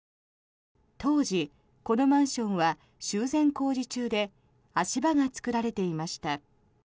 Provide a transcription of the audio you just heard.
当時、このマンションは修繕工事中で足場が作られていました。